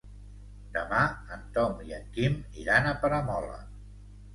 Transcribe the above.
Demà en Tom i en Quim iran a Peramola.